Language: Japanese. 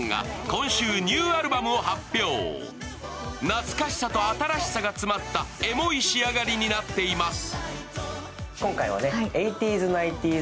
懐かしさと新しさが詰まったエモい仕上がりになっています。